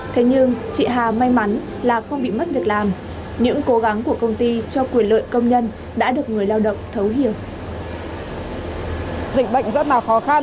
thế nhưng chị hà may mắn là không bị mất việc làm